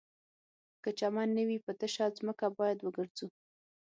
که چمن نه وي په تشه ځمکه باید وګرځو